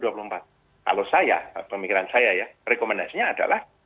kalau saya pemikiran saya ya rekomendasinya adalah